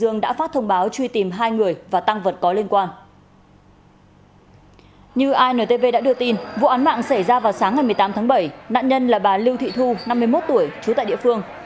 như antv đã đưa tin vụ án mạng xảy ra vào sáng ngày một mươi tám tháng bảy nạn nhân là bà lưu thị thu năm mươi một tuổi trú tại địa phương